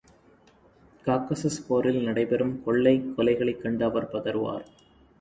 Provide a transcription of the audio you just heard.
Caucasus போரில் நடை பெறும் கொள்ளை, கொலைகளைக் கண்டு அவர் பதறுவார்.